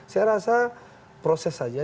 saya rasa proses aja